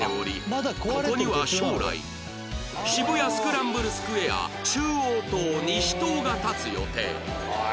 ここには将来渋谷スクランブルスクエア中央棟・西棟が建つ予定